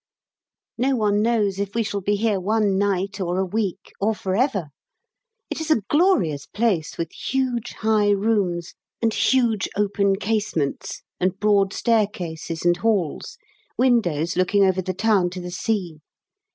No one knows if we shall be here one night, or a week, or for ever! It is a glorious place, with huge high rooms, and huge open casements, and broad staircases and halls, windows looking over the town to the sea.